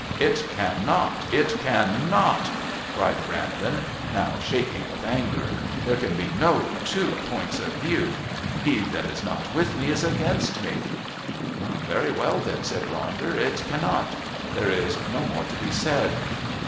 "It can not! It can not!" cried Brandon, now shaking with anger. "There can be no two points of view. 'He that is not with me is against me' " "Very well, then," said Ronder. "It can not. There is no more to be said."